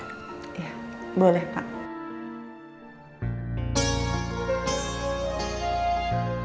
dok saya boleh bawa dia ketemu sama ibunya